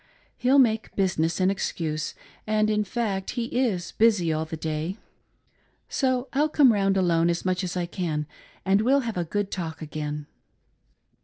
He'll make business an excuse, and in fact he is busy all the day. So I'll come round alone as much as I can, and we'll have a good talk again."